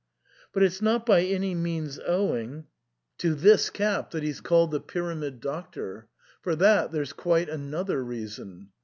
But it's not by any mea]:)s owing to 72 SIGNOR FORMICA. this cap that he's called the Pyramid Doctor ; for that there's quite another reason.